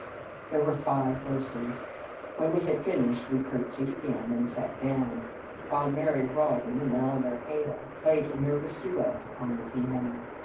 There were five verses. When we had finished, we curtsied again and sat down, while Mary Rawdon and Eleanor Hale played a nervous duet upon the piano.